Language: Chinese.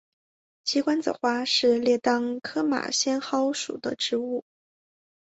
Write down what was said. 鸡冠子花是列当科马先蒿属的植物。